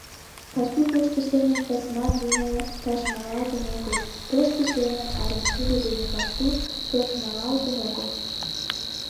Пасу тошто семын пысман дене ташмалалтын огыл, тошто семын арымшудо дене пасу прошмалалтын огыл.